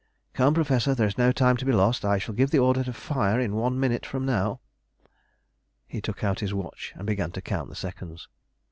"Come, Professor, there is no time to be lost. I shall give the order to fire in one minute from now." He took out his watch, and began to count the seconds.